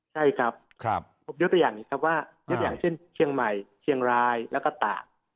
ใช่ครับผมยกตัวอย่างนี้ครับว่ายกอย่างเช่นเชียงใหม่เชียงรายแล้วก็ตาก